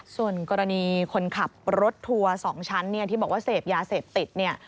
ส่วนกรณีคนขับรถทัวร์๒ชั้นเนี่ยที่บอกว่าเสพยาเสพติดเนี่ย